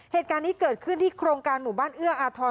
เหตุการณ์นี้เกิดขึ้นที่โครงการหมู่บ้านเอื้ออาทร